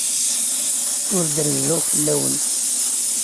Ur d-rezzuɣ fell-awen.